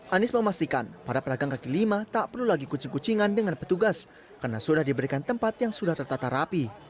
anies memastikan para pedagang kaki lima tak perlu lagi kucing kucingan dengan petugas karena sudah diberikan tempat yang sudah tertata rapi